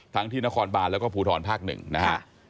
ทั้งที่นครบาลและก็ผูทรภาค๑นะฮะ